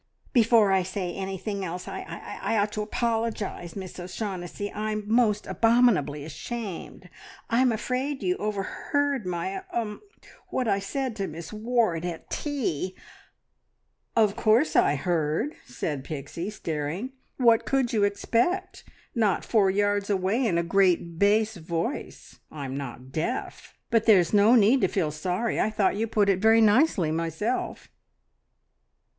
"Before I say anything else, I I ought to apologise, Miss O'Shaughnessy. I'm most abominably ashamed. I'm afraid you overheard my er er w what I said to Miss Ward at tea " "Of course I heard," said Pixie, staring. "What could you expect? Not four yards away, and a great bass voice! I'm not deaf. But there's no need to feel sorry. I thought you put it very nicely, myself!"